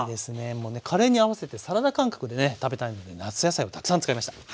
もうねカレーに合わせてサラダ感覚でね食べたいので夏野菜をたくさん使いました。